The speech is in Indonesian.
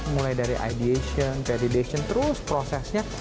mulai dari ideation varidation terus prosesnya